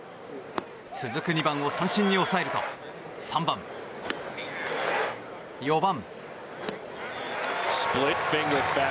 続く２番を三振に抑えると３番、４番。